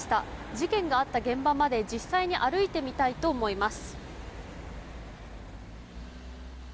事件があった現場まで実際に歩いてみたいと思います。